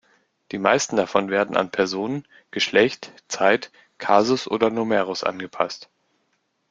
Die meisten davon werden an Person, Geschlecht, Zeit, Kasus oder Numerus angepasst.